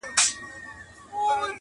o د وطن را باندي پروت یو لوی احسان دی,